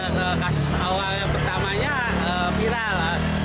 kasus awal pertamanya viral